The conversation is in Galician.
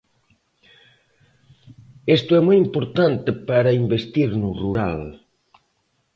Isto é moi importante para investir no rural.